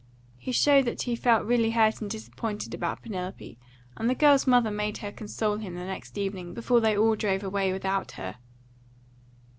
He showed that he felt really hurt and disappointed about Penelope, and the girl's mother made her console him the next evening before they all drove away without her.